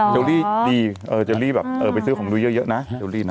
เจลลี่ดีเจลลี่แบบไปซื้อของดูเยอะนะเจลลี่นะ